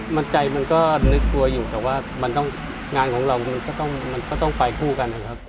มันใจมันก็นึกกลัวอยู่แต่ว่ามันต้องงานของเรามันก็ต้องไปคู่กันนะครับ